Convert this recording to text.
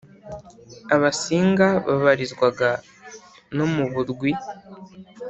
abasinga babarizwaga no mu burwi